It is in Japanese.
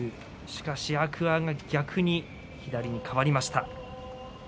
しかし天空海が逆に左に変わりました。